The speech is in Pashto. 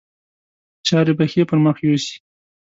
چارې به ښې پر مخ یوسي.